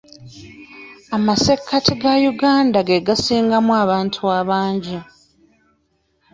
Amasekkati ga Uganda ge gasingamu abantu abangi